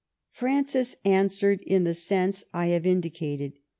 Francis answered in the sense I have indicated.